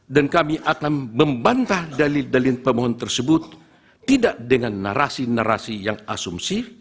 kami akan membantah dalil dalil pemohon tersebut tidak dengan narasi narasi yang asumsi